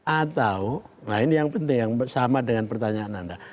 atau nah ini yang penting yang sama dengan pertanyaan anda